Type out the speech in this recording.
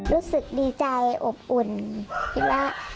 รู้สึกดีใจอบอุ่นคิดว่า